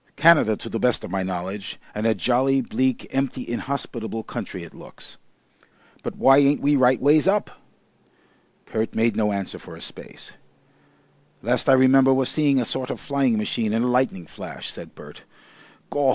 "Canada, to the best of my knowledge and a jolly bleak, empty, inhospitable country it looks." "But why ain't we right ways up?" Kurt made no answer for a space. "Last I remember was seeing a sort of flying machine in a lightning flash," said Bert. "Gaw!